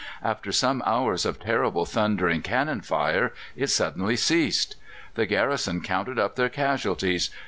After some hours of terrible, thundering cannon fire, it suddenly ceased. The garrison counted up their casualties.